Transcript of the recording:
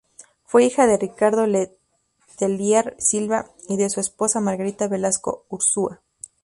Fue hija de Ricardo Letelier Silva y de su esposa Margarita Velasco Urzúa.